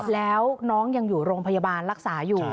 แล้วน้องยังอยู่โรงพยาบาลรักษาอยู่